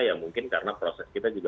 ya mungkin karena proses kita juga